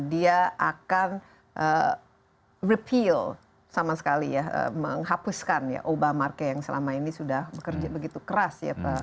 dia akan repeal sama sekali ya menghapuskan ya oba market yang selama ini sudah bekerja begitu keras ya